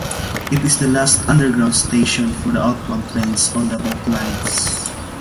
It is the last underground station for outbound trains on both lines.